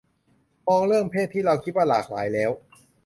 มองเรื่องเพศที่เราคิดว่าหลากหลายแล้ว